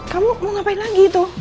kamu mau ngapain lagi tuh